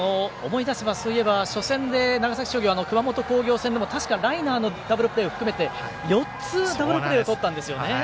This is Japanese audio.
思い出せば、長崎商業は初戦の熊本工業戦でもライナーのダブルプレーを含めて４つダブルプレーをとったんですよね。